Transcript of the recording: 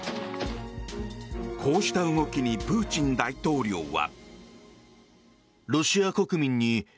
こうした動きにプーチン大統領は。